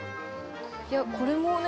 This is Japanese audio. いやこれもね